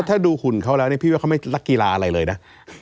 ถ้าดูหุ่นเขาแล้วนี่พี่ว่าเขาไม่รักกีฬาอะไรเลยนะ